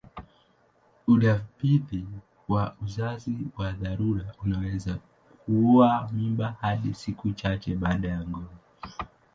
Udhibiti wa uzazi wa dharura unaweza kuua mimba hadi siku chache baada ya ngono.